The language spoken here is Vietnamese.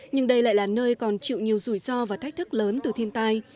nhưng đây lại là nơi còn chịu nhiều rủi ro và thách thức lớn từ thiên tai